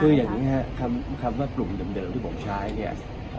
คืออย่างนี้ครับคำว่ากลุ่มเดิมที่ผมใช้เนี่ย